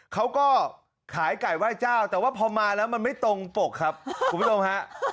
เขาก็ขายไก่ไหว้เจ้าแต่ว่าพอมาแล้วมันไม่ตรงปกครับคุณผู้ชมฮะ